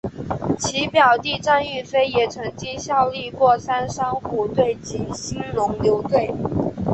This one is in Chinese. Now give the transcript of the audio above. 其表弟战玉飞也曾经效力过三商虎队及兴农牛队。